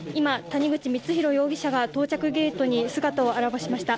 谷口光弘容疑者が到着ゲートに姿を現しました。